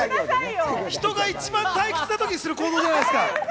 人が一番退屈な時にする行動じゃないですか！